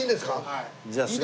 はい。